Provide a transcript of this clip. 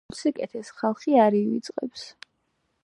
გაცემულ სიკეთეს ხალხი არ ივიწყებს